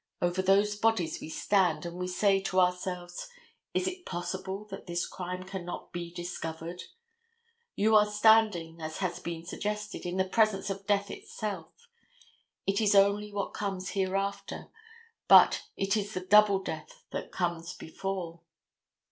Over those bodies we stand, and we say to ourselves, is it possible that this crime cannot be discovered. You are standing, as has been suggested, in the presence of death itself. It is only what comes hereafter, but it is the double death that comes before.